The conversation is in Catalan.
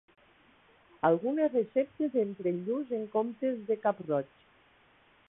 Algunes receptes empren lluç en comptes de cap-roig.